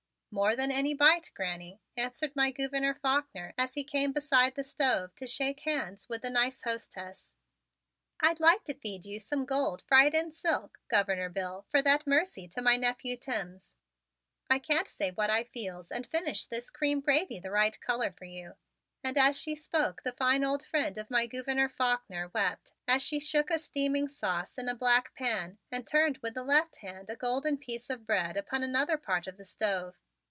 "More than any bite, Granny," answered my Gouverneur Faulkner as he came beside the stove to shake hands with the nice hostess. "I'd like to feed you some gold, fried in silk. Governor Bill, fer that mercy to my nephew Timms. I can't say what I feels and finish this cream gravy the right color for you," and as she spoke the fine old friend of my Gouverneur Faulkner wept as she shook a steaming sauce in a black pan and turned with the left hand a golden piece of bread upon another part of the stove.